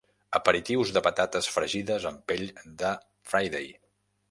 Aperitius de patates fregides amb pell de Friday.